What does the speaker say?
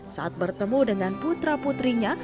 saat bertemu dengan putra putrinya